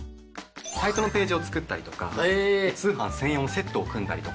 サイトのページを作ったりとか通販専用のセットを組んだりとか。